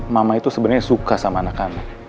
mama itu sebenarnya suka sama anak anak